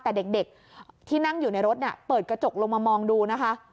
แต่เด็กที่นั่งอยู่ในรถเนี่ยเปิดกระจกลงมามองดูนะคะ